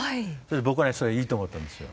僕はねそれいいと思ったんですよ。